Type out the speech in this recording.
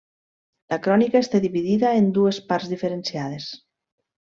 La crònica està dividida en dues parts diferenciades.